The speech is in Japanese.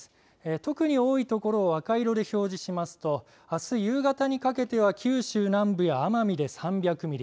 特に多い所を赤色で表示しますとあす夕方にかけては九州南部や奄美で３００ミリ。